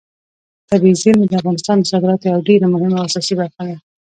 طبیعي زیرمې د افغانستان د صادراتو یوه ډېره مهمه او اساسي برخه ده.